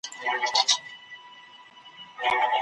د وخت سره ډيزاين څنګه بدل سو؟